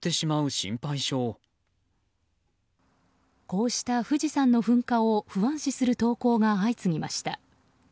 こうした富士山の噴火を不安視する投稿が相次ぎました。